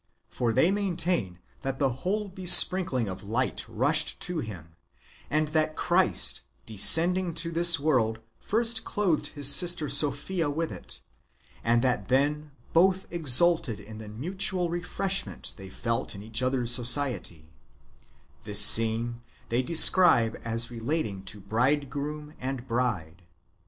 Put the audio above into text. For they maintain that the whole besprinkling of light rushed to him, and that Christ, descending to this world, first clothed his sister Sophia [with it], and that then both exulted in the mutual refreshment they felt in each other's society : this scene they describe as relating to bride groom and bride.